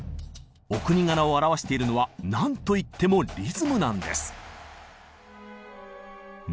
お国柄をあらわしているのはなんといってもリズムなんです。